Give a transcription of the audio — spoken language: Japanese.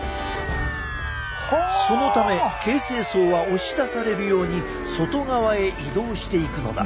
そのため形成層は押し出されるように外側へ移動していくのだ。